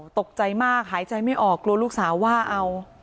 ตกใจมากหายใจไม่ออกกลัวลูกสาวว่าเอา